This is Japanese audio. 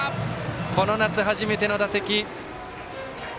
この夏、初めての打席。